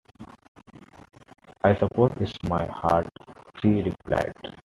“I suppose it’s my heart,” she replied.